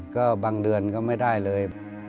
ก็บางเดือนก็ไม่ได้เลย